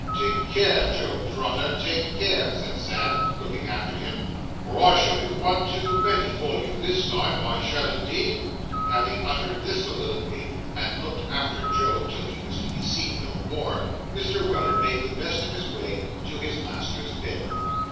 'Take care, Job Trotter, take care,' said Sam, looking after him, 'or I shall be one too many for you this time. I shall, indeed.' Having uttered this soliloquy, and looked after Job till he was to be seen no more, Mr. Weller made the best of his way to his master's bedroom.